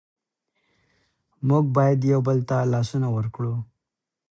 موږ باید یو بل ته لاسونه ورکړو.